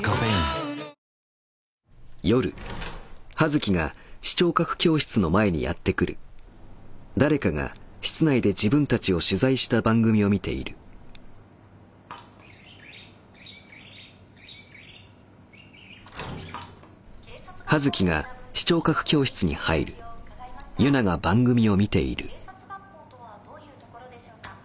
警察学校とはどういうところでしょうか？